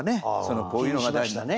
こういうのが大事だね